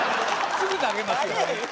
すぐ投げますよ